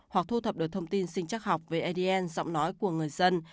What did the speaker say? hoặc thu thập được thông tin sinh chắc học về adn giọng nói của người dân